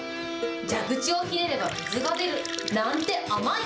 蛇口をひねれば水が出るなんてあまい。